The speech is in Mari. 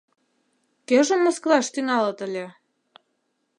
Кӧжым мыскылаш тӱҥалыт ыле?